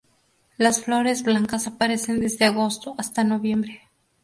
Las flores blancas aparecen desde agosto hasta noviembre.